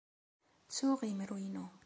Ttuɣ imru-inu.